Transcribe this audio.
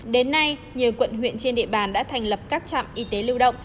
đến nay nhiều quận huyện trên địa bàn đã thành lập các trạm y tế lưu động